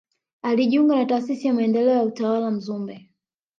Alijiunga na taasisi ya maendeleo na utawala Mzumbe